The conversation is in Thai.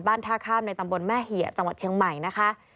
ท่าข้ามในตำบลแม่เหี่ยจังหวัดเชียงใหม่นะคะ